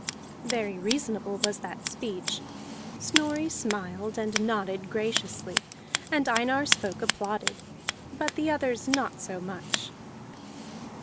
Very reasonable was that speech: Snorri smiled and nodded graciously, and Einar's folk applauded, but the others not so much.